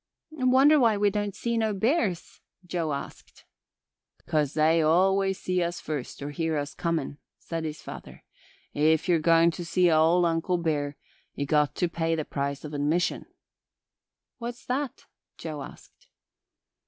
"Wonder why we don't see no bears?" Joe asked. "'Cause they always see us first or hear us comin'," said his father. "If you're goin' to see ol' Uncle Bear ye got to pay the price of admission." "What's that?" Joe asked.